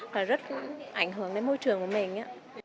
còn rất ảnh hưởng đến môi trường của mình